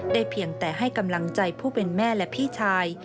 เพียงแต่ให้กำลังใจผู้เป็นแม่และพี่ชาย